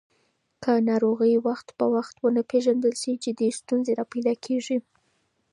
که ناروغي وخت په وخت ونه پیژندل شي، جدي ستونزې راپیدا کېږي.